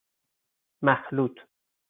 مخلوط